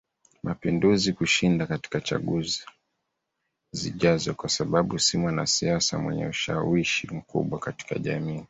mapinduzi kushinda katika chaguzo zijazo kwa sababu si mwanasiasa mwenye ushawishi mkubwa katika jamii